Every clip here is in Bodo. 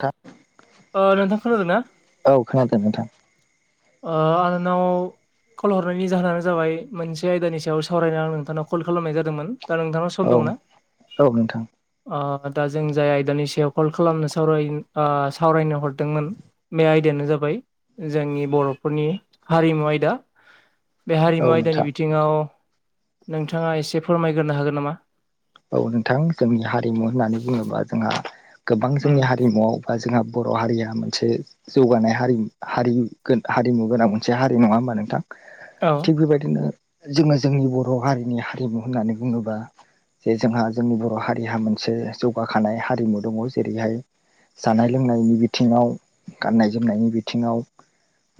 नोंथां नोंथां खोनादों ना? औ खोनादों नोंथां। ओ आरो नाव कल हरनायनि जाहोनानो जाबाय मोनसे आयदानि सायाव सावरायनानो आं नोंथांनाव कल खालामनाय जादोंमोन दा नोंथां सम औ दङना? औ नोंथां दा जों जाय आयदानि सायाव कल खालामनो सावराय सावरायनो हरदोंमोन। बे आयदायानो जाबाय जोंनि बर'फोरनि हारिमु आयदा बे औ हारिमु आयदानि नोंथां बिथिं थिङाव नोंथाङा एसे फोरमायग्रोनो हागोन नामा? औ नोंथां जोंनि हारिमु होननानै बुङोबा जोंहा गोबां उम जोंनि हारिमुआव ओ जोंहा बर' हारिया मोनसे जौगानाय हारि हारि हारिमु गोनां मोनसे हारि नङा होमबा नोंथां? औ थिग बेबायदिनो जोङो जोंनि बर' हारिनि हारिमु होननानै बुङोब्ला जे जोंहा जोंनि बर' हारिहा मोनसे जौगाखानाय हारिमु दङ जेरैहाय जानाय लोंनायनि बिथिङाव गाननाय जोमनायनि बिथिङाव।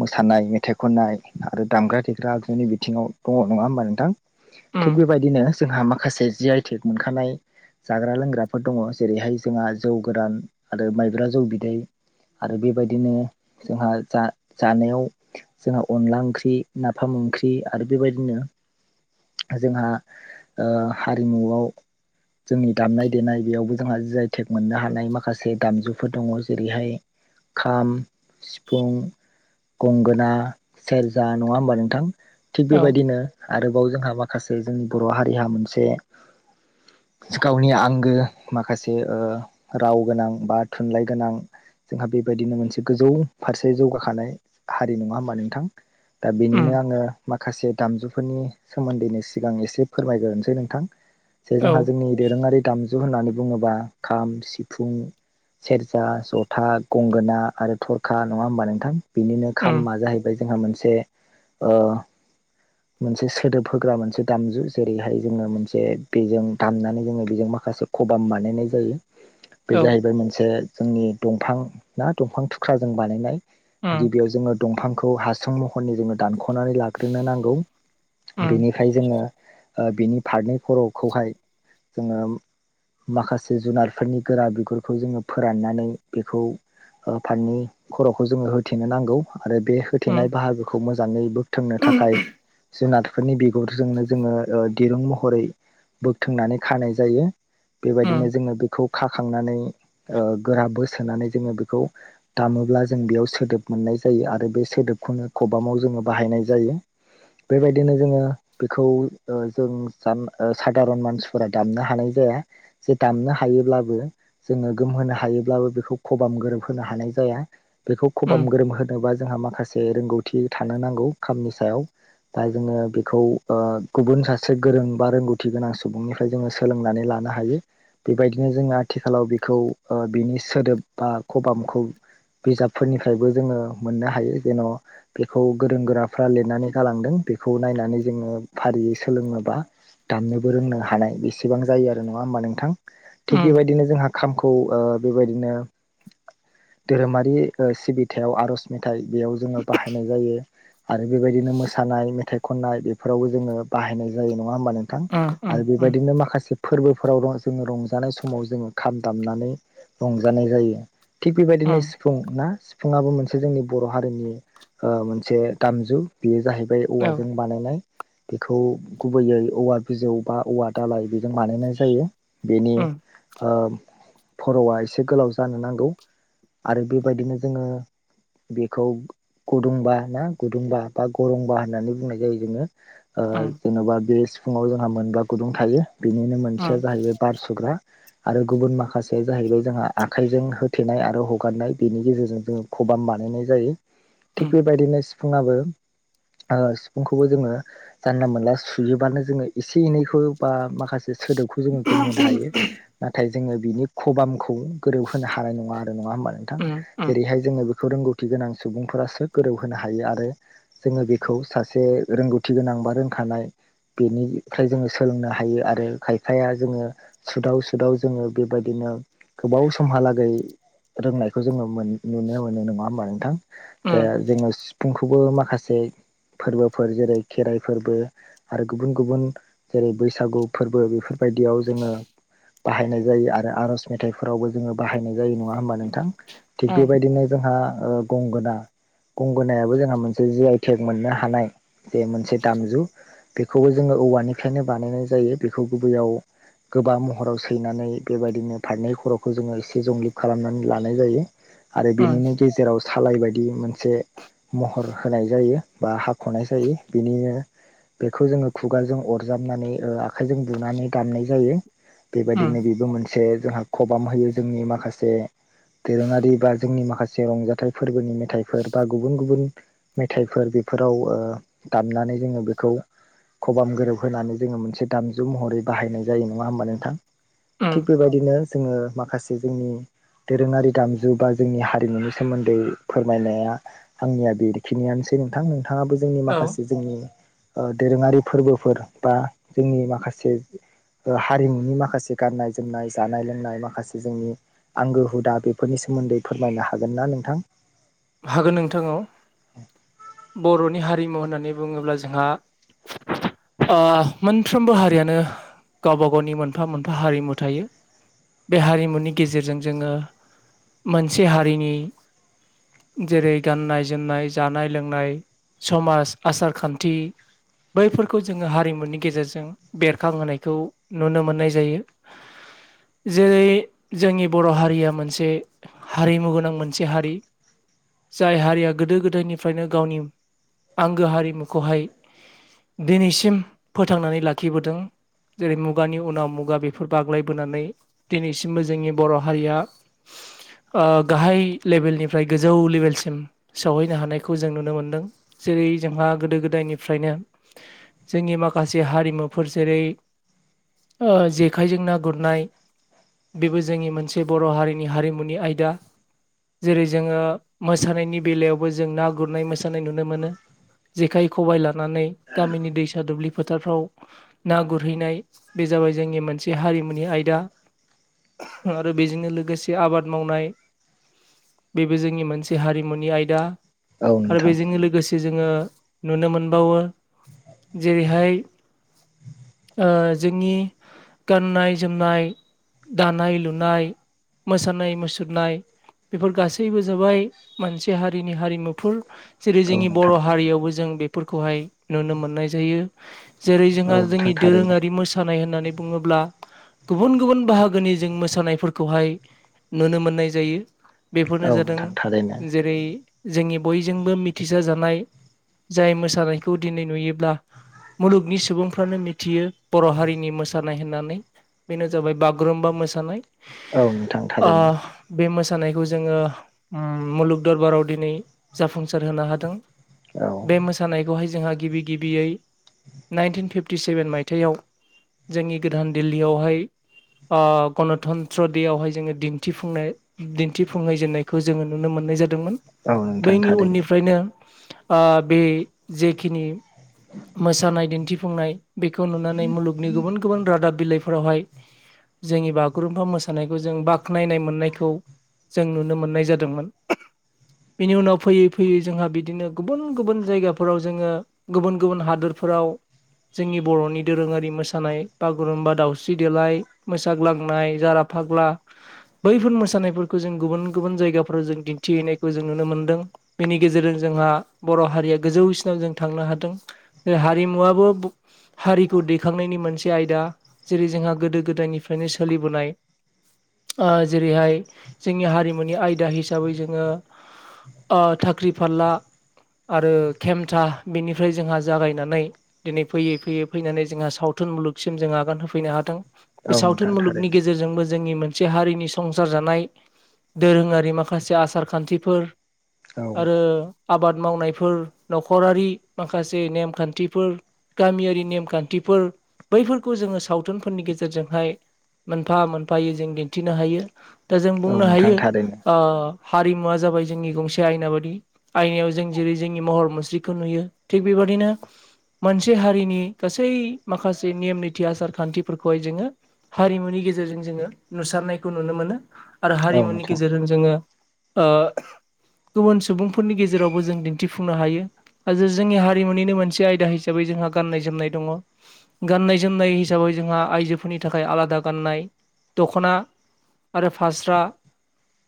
मोसानाय मेथाइ खननाय आरो दामग्रा देग्रा आगजुनि बिथिङाव दङ नङा होमबा नोंथां? थिग उम बेबायदिनो जोंहा माखासे जि आइ टेक मोनखानाय जाग्रा लोंग्राफोर दङ जेरैहाय जोंहा जौ गोरान आरो माइब्रा जौ बिदै आरो बेबायदिनो जोंहा जा जानायाव जोंहा अनला ओंख्रि नाफाम ओंख्रि आरो बेबायदिनो जोंहा ओ हारिमुआव जोंनि दामनाय देनाय बेयावबो जोंहा जि आइ टेक मोननो हानाय माखासे दामजुफोर दङ जेरैहाय खाम सिफुं गंगोना सेरजा नङा होमबा नोंथां? थिग औ बेबायदिनो आरोबाव जोंहा माखासे जोंनि बर' हारिहा मोनसे नि आंगो माखासे ओ राव गोनां बा थुनलाइ गोनां। जोंहा बेबायदिनो मोनसे गोजौ फारसे जौगाखानाय हारि नङा होमबा नोंथां? दा उम बेनिनो आङो माखासे दामजुफोरनि सोमोन्दैनो सिगां एसे फोरमायग्रोनोसै नोंथां। जे औ जोंहा जोंनि दोरोङारि दामजु होननानै बुङोबा खाम सिफुं सेरजा जथा गंगोना आरो थरखा नङा होमबा नोंथां? बिनिनो उम खामा जाहैबाय जोंहा मोनसे ओ मोनसे सोदोब होग्रा मोनसे दामजु जेरैहाय जोङो मोन जे बेजों दामनानै जोङो बेजों माखासे खबाम बानायनाय जायो। बे औ जाहैबाय मोनसे जोंनि दंफां ना दंफां थुख्राजों बानायनाय उम गिबियाव जोङो दंफांखौ हासुं महरनि जोङो दानख'नानै लाग्रोनो नांगौ उम बेनिफ्राय जोङो बिनि फारनै खर'खौहाय जोङो माखासे जुनारफोरनि गोरा बिगुरखौ जोङो फोराननानै बेखौ फारनै खर'खौ जोङो होथेनो नांगौ आरो बे उम होथेनाय बाहागोखौ मोजाङै बोथोंनो थाखाय जुनार फोरनि बिगुरजोंनो जोङो दिरुं महरै बोगथोंनानै खानाय जायो। उम बेबायदिनो जोङो बेखौ खाखांनानै गोरा बोसोनानै जोङो बेखौ दामोब्ला जों बेयाव सोदोब मोननाय जायो आरो बे सोदोबखौनो खबामाव जोङो बाहायनाय जायो। बेबायदिनो जोङो बेखौ जों जान ओ सादारन मानसिफोरा दामनो हानाय जाया जे दामनो हायोब्लाबो जोङो गोमहोनो हायोब्लाबो बेखौ खबाम गोरोबहोनो हानाय जाया बेखौ उम खबाम गोरोब होनोबा जोंहा माखासे रोंगौथि थानो नांगौ खामनि सायाव दा जोङो बेखौ गुबुन सासे गोरों बा रोंगौथि गोनां सुबुंनिफ्राय जोङो सोलोंनानै लानो हायो बेबायदिनो जोङो आथिखालाव बेखौ बिनि सोदोब बा खबामखौ बिजाबफोरनिफ्रायबो जोङो मोननो हायो जेन' बेखौ गोरों गोराफ्रा लिरनानै गालांदों बेखौ नायनानै जोङो फारियै सोलोङोबा दामनोबो रोंनो हानाय बेसेबां जायो आरो नङा होमबा नोंथां थिग उम बेबायदिनो जोंहा खामखौ बेबायदिनो धोरोमारि सिबि थायाव आर'ज मेथाइ बेयाव जोङो बाहायनाय जायो आरो बेबायदिनो मोसानाय मेथाइ खननाय बेफोरावबो जोङो बाहायनाय जायो नङा होमबा नों थां उम आरो उम बेबायदिनो माखासे फोरबोफोराव जोङो रंजानाय समाव जोङो खाम दामनानै रंजानाय जायो थिग बेबायदिनो उम सिफुं ना सिफुङाबो मोनसे जोंनि बर' हारिनि मोनसे दामजु बेयो जाहैबाय औ औवाजों बानायनाय बेखौ गुबैयै औवा बिजौ बा औवा दालाय बेजों बानायनाय जायो। बेनि औ फर'आ एसे गोलाव जानो नांगौ। आरो बेबायदिनो जोङो बेखौ गुदुंबा ना गुदुंबा बा गरंबा होननानै बुंनाय जायो जोङो हागोन जेन'बा बे सिफुंवाव जोंहा मोनबा गुदुं थायो बेनिनो मोनसेया जाहैबाय बारसुग्रा आरो गुबुन माखासेया जाहैबाय जोंहा आखाइजों होथेनाय आरो हगारनाय बेनि गेजेरजों जोङो खबाम बानायनाय जायो थिग बेबायदिनो सिफुुंआो सिफुंखौबो जोङो जानला मोनला सुयोबानो जोङो एसे एनैखौ बा माखासे सोदोबखौ जोङो गोमहोनो हायो नाथाय जोङो बिनि खबामखौ गोरोबहोनो हानाय नङा आरो नङा होमबा नोंथां जेरैहाय जोङो बेखौ रोंगौथि गोनां सुबुंफोरासो गोरौ होनो हायो आरो जोङो बेखौ सासे रोंगौथि गोनां बा रोंखानाय बेनिफ्राय जोङो सोलोंनो हायो आरो खायफाया जोङो सुदाव सुदाव जोङो बेबायदिनो गोबाव समहालागै रोंनायखौ जोङो मोन नुनो मोनो नङा होमबा नोंथां दा जोङो सिफुंखौबो माखासे फोरबोफोर जेरै खेराइ फोरबो आरो गुबुन गुबुन जेरै बैसागु फोरबो बेफोरबायदियाव जोङो बाहायनाय जायो आरो आर'ज मेथाइफोरावबो जोङो बाहायनाय जायो नङा होमबा नोंथां थिग बेबायदिनो जोंहा गंगोना गंगोनायाबो जोंहा मोनसे जि आइ टेक मोननो हानाय जे मोनसे दामजु बेखौबो जोङो औवानिफ्रायनो बानायनाय जायो बेखौ गुबैयाव गोबां महराव सैनानै बेबायदिनो फारनै खर'खौ जोङो एसे जंब्लिब खालामनानै लानाय जायो। आरो बेनिनो गेजेराव सालाय बायदि मोनसे महर होनाय जायो बा हाख'नाय जायो बिनिनो बेखौ जोङो खुगारजों अरजाबनानै ओ आखाइजों बुनानै दामनाय जायो। बेबायदिनो बेबो मोनसे जोंहा खबाम होयो जोंनि माखासे दोरोङारि बा जोंनि माखासे रंजाथाइ फोरबोनि मेथाइफोर बा गुबुन गुबुन मेथाइफोर बेफोराव ओ दामनानै जोङो बेखौ खबाम गोरोब होनानै जोङो मोनसे दामजु महरै बाहायनाय जायो नङा ओमबा नोंथां? थिग बेबायदिनो जोङो माखासे जोंनि दोरोङारि दामजु बा जोंनि हारिमुनि सोमोन्दै फोरमायनाया आंनिया बेखिनियानोसै नोंथां नोंथाङाबो जोंनि माखासे जोंनि ओ दोरोङारि फोरबोफोर बा जोंनि माखासे ओ हारिमुनि माखासे गाननाय जोमनाय जानाय लोंनाय माखासे जोंनि आंगो हुदा बेफोरनि सोमोन्दै फोरमायनो हागोन ना नोंथां? हागोन नोंथां औ बर'नि हारिमु होननानै बुङोब्ला जोंहा ओ मोनफ्रोमबो हारियानो गावबा गावनि मोनफा मोनफा हारिमु थायो। बे हारिमुनि गेजेरजों जोङो मोनसे हारिनि जेरै गाननाय जोमनाय जानाय लोंनाय समाज आसार खान्थि बैफोरखौ जोङो हारिमुनि गेजेरजों बेरखांहोनायखौ नुनो मोननाय जायो। जेरै जोंनि बर' हारिया मोनसे हारिमु गोनां मोनसे हारि। जाय हारिया गोदो गोदायनिफ्रायनो गावनि आंगो हारिमुखौहाय दिनैसिम फोथांनानै लाखिबोदों। जेरै मुगानि उनाव मुगा बेफोर बाग्लायबोनानै दिनैसिमबो जोंनि बर' हारिया ओ गाहाय लेभेलनिफ्राय गो जौ लेभेलसिम सौहैनो हानायखौ जों नुनो मोनदों। जेरै जोंहा गोदो गोदायनिफ्रायनो जोंनि माखासे हारिमुफोर जेरै ओ जेखाइजों ना गुरनाय बेबो जोंनि मोनसे बर' हारिनि हारिमुनि आयदा जेरै जोङो मोसानायनि बेलायावबो जों ना गुरनाय मोसानाय नुनो मोनो‌। जेखाइ खबाइ लानानै गामिनि दैसा दुब्लि फोथारफ्राव ना गुरहैनाय बे जाबाय जोंनि मोनसे हारिमुनि आयदा। आरो बेजोंनो लोगोसे आबाद मावनाय बेबो जोंनि मोन से हारिमुनि आयदा औ आरो नोंथां बेजोंनो लोगोसे जोङो नुनो मोनबावो जेरैहाय ओ जोंनि गाननाय जोमनाय दानाय लुनाय मोसानाय मुसुरनाय बेफोर गासैबो जाबाय मोनसे हारिनि हारिमुफोर। जेरै औ जोंनि बर' नोंथां हारियावबो जों बेफोरखौहाय नुनो मोननाय जायो जेरै औ जोंहा नोंथां जोंनि थारैनो दोरोङारि मोसानाय होननानै बुङोब्ला गुबुन गुबुन बाहागोनि जों मोसानायफोरखौहाय नुनो मोननाय जायो। बेफोरनो औ नोंथां थारैनो जादों जेरै जोंनि बयजोंबो मिथिसार जानाय जाय मोसानायखौ दिनै नुयोब्ला मुलुगनि सुबुंफ्रानो मिथियो बर' हारिनि मोसानाय होननानै। बेनो जाबाय बागुरुम्बा मोसानाय। औ नोंथां ओ थारैनो बे मोसानायखौ जोङो उम मुलुग दरबाराव दिनै जाफुंसार होनो हादों औ बे मो सानायखौहाय जोंहा गिबि गिबियै नाइनटिन फिफटि सेभेन मायथाइयाव जोंनि गोदान दिल्लीयावहाय ओ गनतन्त्र देयावहाय जोङो दिन्थिफुंनाय दिन्थिफुंहै जेननायखौ जोङो नुनो मोननाय जादोंमोन औ नोंथां बैनि थारैनो उननिफ्रायनो ओ बे जेखिनि मोसानाय दिन्थिफुंनाय बेखौ नुनानै मुलुगनि गुबुन गुबुन रादाब बिलाइफोरावहाय जोंनि बागुरुम्फा मोसानायखौ जों बाख्नायनाय मोननायखौ जों नुनो मोननाय जादोंमोन। बिनि उनाव फैयै फैयै जोंहा बिदिनो गुबुन गुबुन जायगाफोराव जोङो गुबुन गुबुन हादरफोराव जोंनि बर'नि दोरोङारि मोसानाय बागुरुम्बा दावउस्रि देलाय मोसाग्लांनाय जारा फाग्ला बैफोर मोसानायफोरखौ जों गुबुन गुबुन जायगाफोराव जों दिन्थिहैनायखौ जों नुनो मोनदों। बेनि गेजेरजों जोंहा बर' हारिया गोजौसिनाव जों थांनो हादों। हारिमुवाबा बो हारिखौ दैखांनायनि मोनसे आयदा जेरै जोंहा गोदो गोदायनिफ्रायनो सोलिबोनाय ओ जेरैहाय जोंनि हारिमुनि आयदा हिसाबै जोङो ओ थाख्रि फारला आरो केेमथा बेनिफ्राय जोंहा जागायनानै दिनै फैयै फैयै फैनानै जोंहा सावथुन मुलुगसिम जों आगान होफैनो हादों। औ बे नोंथां सावथुन मुलुगनि थारैनो गेजेरजोंबो जोंनि मोन मोनसे हारिनि संसार जानाय दोरोङारि माखासे आसार खान्थिफोर। औ आरो आबाद मावनायफोर नखरारि माखासे नेमखान्थिफोर। गामियारि नेमखान्थिफोर बैफोरखौ जोङो सावथुनफोरनि गेजेरजोंहाय। मोनफा मोनफायै जों दिन्थिनो हायो दा जों औ बुंनो नोंथां हायो थारैनो ओ। हारिमुवा जाबाय जोंनि गंसे आयना बादि आयनायाव जों जेरै जोंनि महर मुस्रिखौ नुयो। थिग बेबादिनो मोनसे हारिनि गासै माखासे नेम निथि आसार खान्थिफोरखौहाय जोङो, हारिमुनि गेजेरजों जोङो नुसारनायखौ नुनो मोनो आरो औ हारिमुनि नोंथां गेजेरजों। जोङो ओ। गुबुन सुबुंफोरनि गेजेरावबो जों दिन्थिफुंनो हायो आजो जो जोंनि हारिमुनिनो मोनसे आयदा हिसाबै जोंहा गाननाय जोमनाय दङ। गाननाय जोमनाय हिसाबै जोंहा आइजोफोरनि थाखाय आलादा गाननाय दख'ना। आरो फास्रा।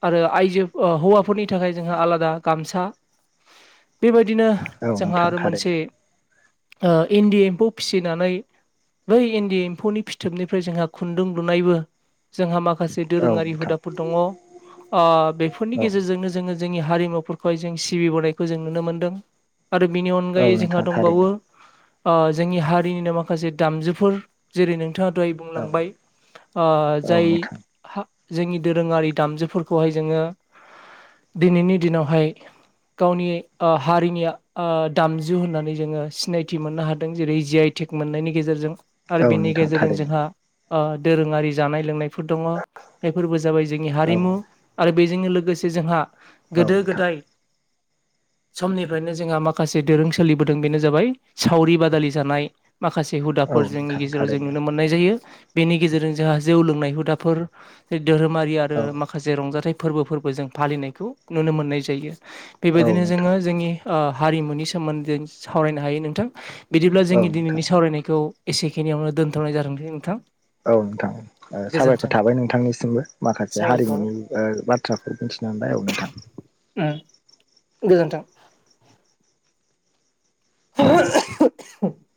आरो आइजो ओ हौवाफोरनि थाखाय जोंहा आलादा गामसा। बेबायदिनो औ जोंहा नोंथां आरो मोनसे थारैनो ओ इन्दि एम्फौ फिसिनानै, बै इन्दि एम्फौनि फिथोबनिफ्राय जोंहा खुन्दुं लुनायबो। जोंहा माखासे औ दोरोङारि नोंथां हुदाफोर दङ। ओ बेफोरनि औ गेजेरजोंनो जोङो जोंनि हारिमुफोरखौहाय जों सिबिबोनायखौ जों नुनो मोनदों। आरो बिनि औ अनगायै नोंथां जोंहा थारैनो दंबावो, ओ जोंनि हारिनिनो माखासे दामजुफोर जेरै नोंथाङा दहाय औ बुंलांबाय। ओ औ जाय नोंथां हा जोंनि दोरोङारि दामजुफोरखौहाय जोङो दिनैनि दिनावहाय गावनि ओ हारिनिया ओ दामजु होननानै जोङो सिनायथि मोननो हादों जेरै जि आइटेक मोननायनि गेजेरजों। आरो औ बिनि नोंथां गेजेरजों थारैनो जोंहा ओ दोरोङारि जानाय लोंनायफोर दङ। बे फोरबो जाबाय जोंनि औ हारिमु आरो बेजोंनो लोगोसे जोंहा औ नोंथां गोदो-गोदाय समनिफ्रायनो जोंहा माखा माखासे दोरों सोलिबोदों बेनो जाबाय सावरि बादालि जानाय माखासे हुदा औ फोर जोंनि नोंथां गेजेराव जों थारैनो नुनो मोननाय जायो बेनि गेजेरजों जोंहा जौ लोंनाय हुदाफोर, धोरोमारि औ आरो माखासे रंजाथाइ फोरबो फोरबो जों फालिनायखौ नुनो मोननाय जायो। औ बेबायदिनो नोंथां जोङो जोंनि ओ हारिमुनि सोमोन्दै सावरायनो हायो नोंथां। बिदिब्ला औ जोंनि दिनैनि नोंथां सावरायनायखौ एसेखिनियावनो दोनथ'नाय जादों दै नोंथां। औ नोंथां ओ साबायखर गोजोन्थों थाबाय नोंथांनिसिमबो माखासे साबायखर हारिमुनि ओ बाथ्राखौ मिथिना मोनबाय औ नोंथां। ओ गोजोन्थों। [unintelligible]